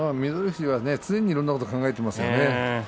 翠富士は常にいろんなことを考えていますね。